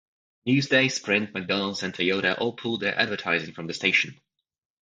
"Newsday", Sprint, McDonald's, and Toyota all pulled their advertising from the station.